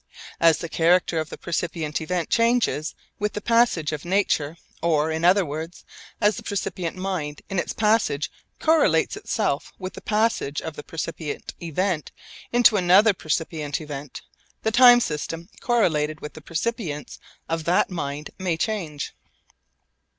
As the character of the percipient event changes with the passage of nature or, in other words, as the percipient mind in its passage correlates itself with the passage of the percipient event into another percipient event the time system correlated with the percipience of that mind may change.